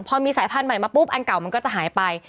พอมีสายพันธุ์ใหม่มาปุ๊บอันเก่ามันก็จะหายไป